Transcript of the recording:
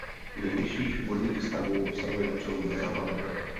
Nejvyšších vodních stavů dosahuje na přelomu jara a léta.